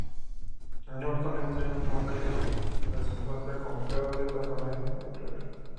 Norton entra en un motel donde se encuentra con Carole, la madre de Claire.